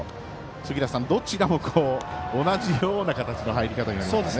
杉浦さん、どちらも同じような形の入り方になりましたね。